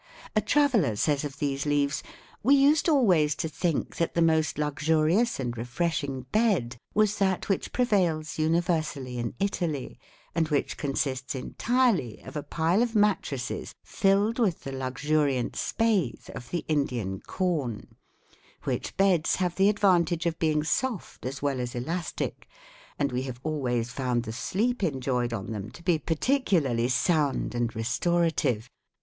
A traveler says of these leaves, 'We used always to think that the most luxurious and refreshing bed was that which prevails universally in Italy, and which consists entirely of a pile of mattresses filled with the luxuriant spathe of the Indian corn; which beds have the advantage of being soft as well as elastic, and we have always found the sleep enjoyed on them to be particularly sound and restorative.